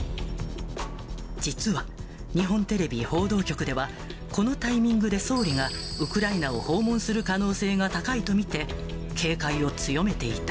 実は、日本テレビ報道局では、このタイミングで総理がウクライナを訪問する可能性が高いと見て、警戒を強めていた。